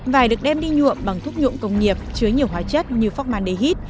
vải được đem đi nhuộm bằng thuốc nhuộm công nghiệp chứa nhiều hóa chất như phóc mandehit